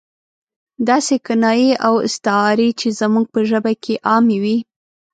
داسې کنایې او استعارې چې زموږ په ژبه کې عامې وي.